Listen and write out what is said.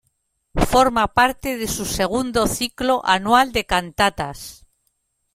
Forma parte de su segundo ciclo anual de cantatas.